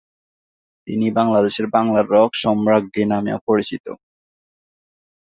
তিনি বাংলাদেশের "বাংলার রক সম্রাজ্ঞী" নামেও পরিচিত।